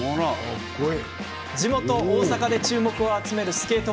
地元、大阪で注目を集めるスケート